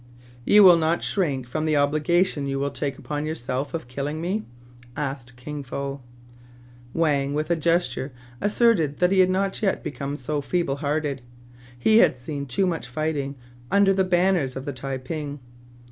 You will not shrink from the obligation you will take upon yourself of killing me.*^*' asked Kin Fo. Wang, with a gesture, asserted that he had not yet become so feeble hearted : he had seen too much when fighting under the banners of the Tai ping.